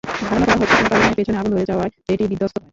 ধারণা করা হচ্ছে, কোনো কারণে পেছনে আগুন ধরে যাওয়ায় এটি বিধ্বস্ত হয়।